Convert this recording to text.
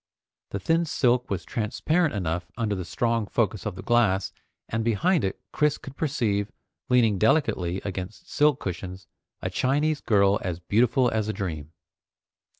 The thin silk was transparent enough under the strong focus of the glass, and behind it Chris could perceive, leaning delicately against silk cushions, a Chinese girl as beautiful as a dream.